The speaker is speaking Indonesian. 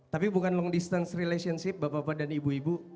tapi bukan long distance relationship bapak bapak dan ibu ibu